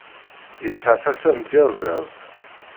Yesɛa tasa n tyaẓiḍt.